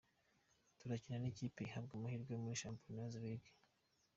"Turakina n'ikipe ihabwa amahirwe muri Champions League.